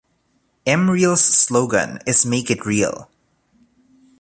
M-real's slogan is "make it real".